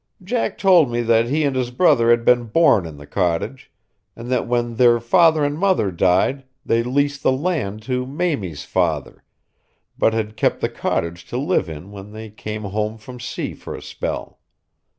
Jack told me that he and his brother had been born in the cottage, and that when their father and mother died they leased the land to Mamie's father, but had kept the cottage to live in when they came home from sea for a spell.